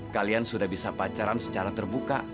kalian sudah bisa pacaran secara terbuka